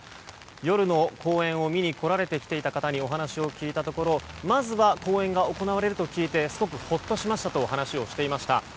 夜の公演を見に来られてきた方にお話を聞いたところまずは公演が行われると聞いてすごくほっとしましたと話をしていました。